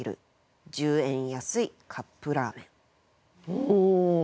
おお！